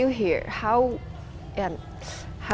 bagaimana luar biasa